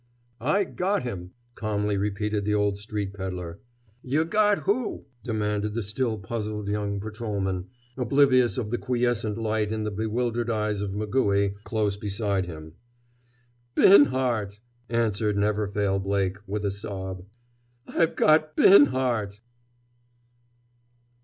"I got him!" calmly repeated the old street peddler. "Yuh got who?" demanded the still puzzled young patrolman, oblivious of the quiescent light in the bewildered eyes of McCooey, close beside him. "Binhart!" answered Never Fail Blake, with a sob. "_I've got Binhart!